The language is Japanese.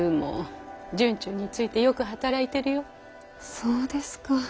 そうですか。